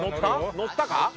乗ったか？